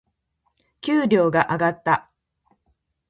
給料が上がった。